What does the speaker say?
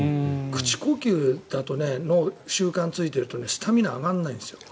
口呼吸の習慣がついてるとスタミナが上がらないんですよ。